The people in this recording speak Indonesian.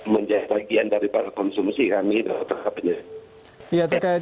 menjahat bagian dari konsumsi kami